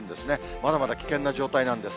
まだまだ危険な状態なんです。